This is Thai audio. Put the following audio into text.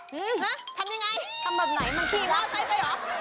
ฮึ้มทำอย่างไรทำแบบไหนมันขี้ละอาชีพใช่ไหม